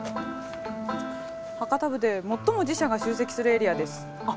「博多部で最も寺社が集積するエリアです」。